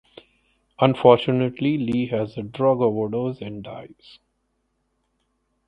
Unfortunately, Lee has a drug overdose and dies.